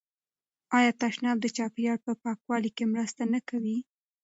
آیا تشناب د چاپیریال په پاکوالي کې مرسته نه کوي؟